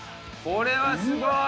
これはすごい！